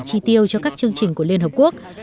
chi tiêu cho các chương trình của liên hợp quốc